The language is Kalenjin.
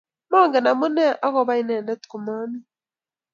Mangen amune akopa inendet komami